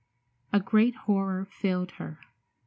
A great horror filled her.